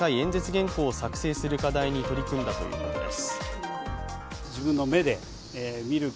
原稿を作成する課題に取り組んだということです。